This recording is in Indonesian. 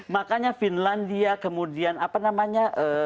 makanya finlandia kemudian apa namanya